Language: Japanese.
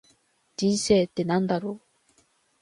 人生って何だろう。